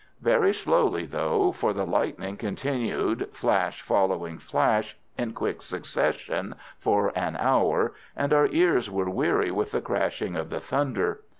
Very slowly though, for the lightning continued, flash following flash, in quick succession for an hour, and our ears were weary with the crashing of the thunder.